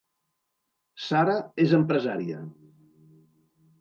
Sara és empresària